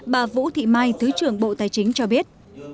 bà vũ thị mai thứ trưởng bộ tài chính cho biết